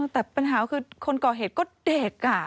แต่ปัญหาคือคนก่อเหตุก็เด็ก